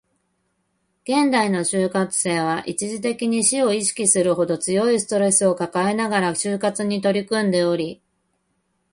現代の就活生は、一時的に死を意識するほど強いストレスを抱えながら就活に取り組んでおり